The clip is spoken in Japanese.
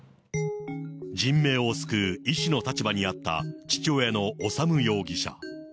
人命を救う医師の立場にあった父親の修容疑者。